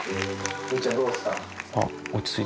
むぅちゃんどうですか？